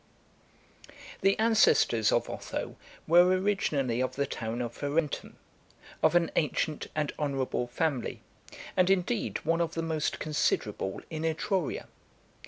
(416) I. The ancestors of Otho were originally of the town of Ferentum, of an ancient and honourable family, and, indeed, one of the most considerable in Etruria.